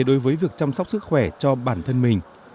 đối với việc chăm sóc sức khỏe cho bản thân mình